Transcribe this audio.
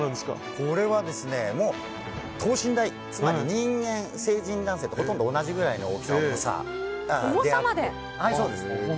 これは等身大つまり成人男性とほとんど同じぐらいの大きさ、重さ。